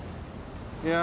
いや。